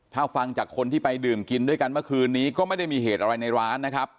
ถ้าฟังจากคนที่ไปดื่มกินด้วยกันเมื่อคืนนี้ก็ไม่ได้มีเหตุอะไรในร้านนะครับ